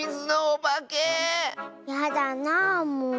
やだなあもう。